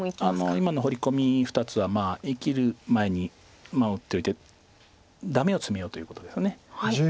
今のホウリコミ２つは生きる前に打っておいてダメをツメようということです。